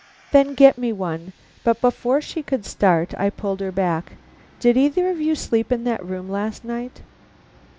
"Then get me one." But before she could start, I pulled her back. "Did either of you sleep in that room last night?"